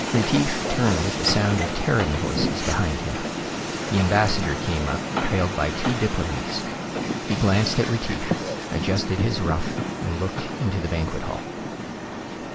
Retief turned at the sound of Terran voices behind him. The ambassador came up, trailed by two diplomats. He glanced at Retief, adjusted his ruff and looked into the banquet hall.